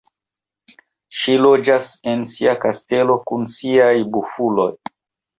Ŝi loĝas en sia kastelo kun siaj Bufuloj.